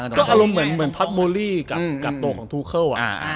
ก็อารมณ์เหมือนท็อตโมลี่กับโตของทูเคลว่ะ